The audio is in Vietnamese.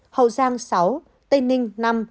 hậu giang sáu tây ninh năm